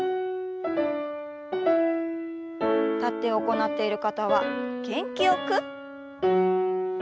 立って行っている方は元気よく。